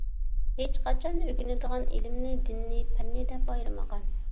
ھېچقاچان ئۆگىنىدىغان ئىلىمنى، دىننى، پەننى دەپ ئايرىمىغان.